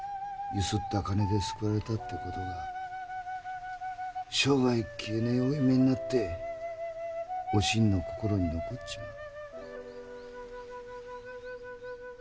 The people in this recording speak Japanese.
ゆすった金で救われたって事が生涯消えねえ負い目になっておしんの心に残っちまう。